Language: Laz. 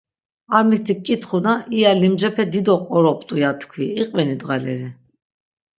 Ar mitik k̆itxuna iya limcepe dido qoropt̆u ya tkvi, iqveni dğaleri?